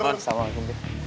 mohon assalamualaikum be